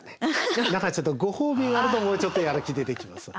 何かちょっとご褒美があるともうちょっとやる気出てきます。